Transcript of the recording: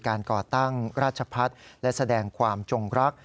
ก่อตั้งราชพัฒน์และแสดงความจงรัก